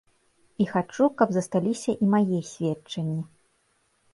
І хачу, каб засталіся і мае сведчанні.